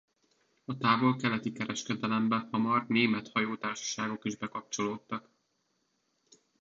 A távol-keleti kereskedelembe hamar német hajótársaságok is bekapcsolódtak.